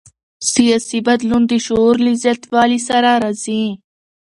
سیاسي بدلون د شعور له زیاتوالي سره راځي